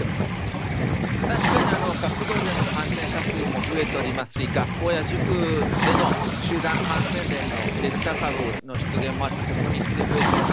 確かに学童での感染者数も増えておりますし、学校や塾での集団感染例もデルタ株の出現もあって、ここに来て増えてます。